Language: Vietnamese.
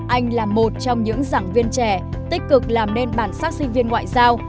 anh là một trong những giảng viên trẻ tích cực làm nên bản sắc sinh viên ngoại giao